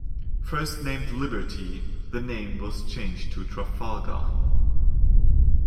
First named Liberty, the name was changed to Trafalgar.